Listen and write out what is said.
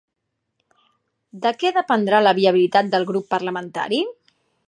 De què dependrà la viabilitat del grup parlamentari?